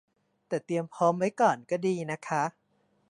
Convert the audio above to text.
แต่เตรียมพร้อมไว้ก่อนก็ดีนะคะ